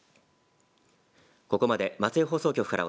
ここまで松江放送局から